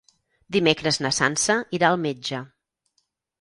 Dimecres na Sança irà al metge.